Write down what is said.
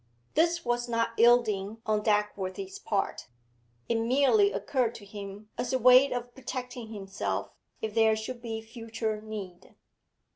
This was not yielding on Dagworthy's part; it merely occurred to him as a way of protecting himself if there should be future need.